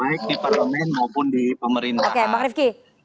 baik di parlemen maupun di pemerintahan